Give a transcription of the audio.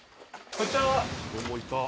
こんにちは。